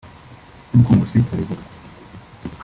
nk’uko Nkusi abivuga